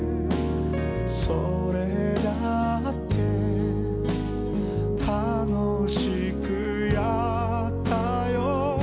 「それだって楽しくやったよ」